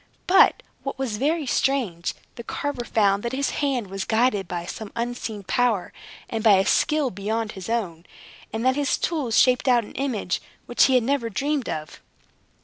But (what was very strange) the carver found that his hand was guided by some unseen power, and by a skill beyond his own, and that his tools shaped out an image which he had never dreamed of.